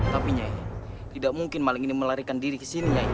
tapi nyai tidak mungkin maling ini melarikan diri ke sini nyai